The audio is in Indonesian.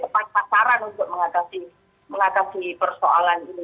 tepat sasaran untuk mengatasi persoalan ini